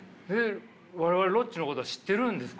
我々ロッチのことは知ってるんですか？